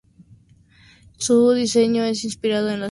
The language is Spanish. Su diseño está inspirado en las hojas de hierba.